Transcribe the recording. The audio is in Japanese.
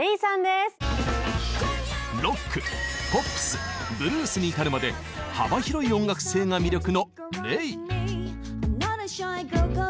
ロックポップスブルースに至るまで幅広い音楽性が魅力のＲｅｉ。